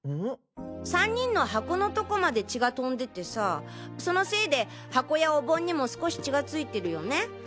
３人の箱のとこまで血が飛んでてさそのせいで箱やお盆にも少し血がついてるよね？